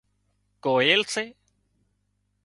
ڪوئيل سي